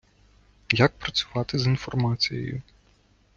Як працювати з інформацією.